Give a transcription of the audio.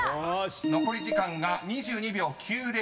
［残り時間が２２秒９０です］